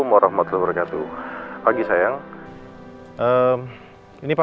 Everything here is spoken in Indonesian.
ma masuk duluan ya